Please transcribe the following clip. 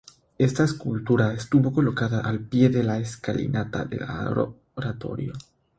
Esta escultura estuvo colocada al pie de la escalinata del adoratorio.